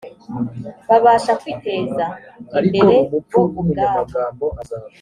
babasha kwiteza imbere bo ubwabo